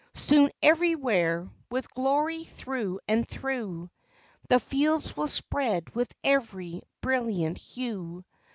Soon everywhere, with glory through and through, The fields will spread with every brilliant hue.